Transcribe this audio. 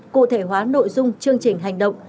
cụ thể hóa nội dung chương trình hành động